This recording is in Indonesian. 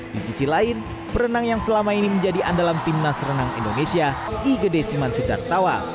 di sisi lain perenang yang selama ini menjadi andalan timnas renang indonesia igede siman sudartawa